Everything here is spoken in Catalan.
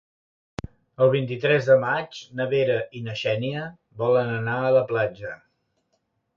El vint-i-tres de maig na Vera i na Xènia volen anar a la platja.